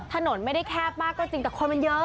ถนนไม่ได้แคบมากก็จริงแต่คนมันเยอะ